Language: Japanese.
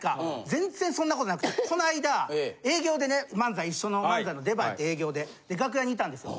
全然そんなことなくてこないだ営業でね漫才一緒の漫才の出番やって営業で楽屋にいたんですよ。